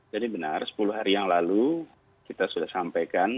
jadi benar sepuluh hari yang lalu kita sudah sampaikan